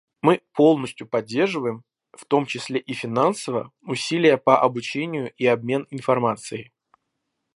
Мы полностью поддерживаем, в том числе и финансово, усилия по обучению и обмен информацией.